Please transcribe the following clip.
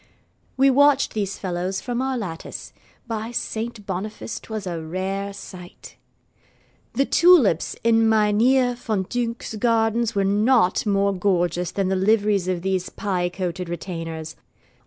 We watched these fellows from our lattice. By Saint Boniface 'twas a rare sight! The tulips in Mynheer Van Dunck's gardens were not more gorgeous than the liveries of these pie coated retainers.